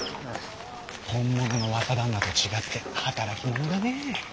本物の若旦那と違って働き者だねえ。